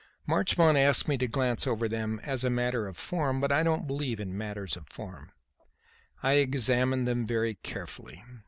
Marchmont asked me to glance over them as a matter of form, but I don't believe in matters of form; I examined them very carefully.